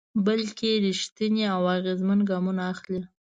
بلکې رېښتيني او اغېزمن ګامونه اخلي.